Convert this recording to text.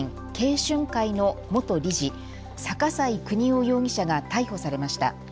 春会の元理事、逆井国男容疑者が逮捕されました。